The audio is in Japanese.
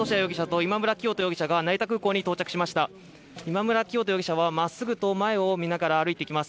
今村磨人容疑者はまっすぐと前を見ながら歩いて行きます。